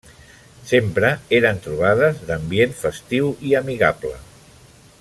Sempre eren trobades d'ambient festiu i amigable.